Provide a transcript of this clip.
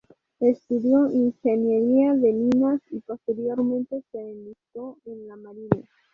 Estudió ingeniería de minas y posteriormente se enlistó en la marina.